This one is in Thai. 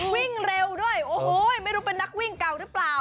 วิ่งเร็วด้วยโอ้โหไม่รู้เป็นนักวิ่งเก่าหรือเปล่า